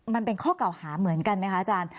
มันเป็นข้อเก่าหาเหมือนกันไหมคะอาจารย์